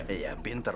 iya binter lu